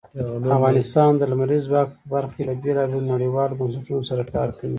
افغانستان د لمریز ځواک په برخه کې له بېلابېلو نړیوالو بنسټونو سره کار کوي.